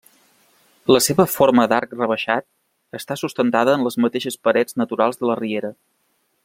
La seva forma d'arc rebaixat està sustentada en les mateixes parets naturals de la riera.